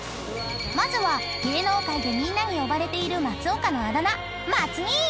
［まずは芸能界でみんなに呼ばれている松岡のあだ名松兄。